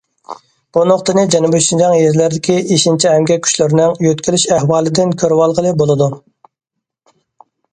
بۇ نۇقتىنى جەنۇبىي شىنجاڭ يېزىلىرىدىكى ئېشىنچا ئەمگەك كۈچلىرىنىڭ يۆتكىلىش ئەھۋالىدىن كۆرۈۋالغىلى بولىدۇ.